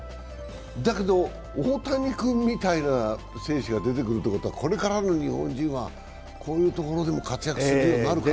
だけど大谷君みたいな選手が出てくるというのはこれからの日本人はこういうところでも活躍するようになるかな。